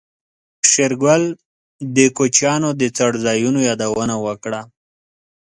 شېرګل د کوچيانو د څړځايونو يادونه وکړه.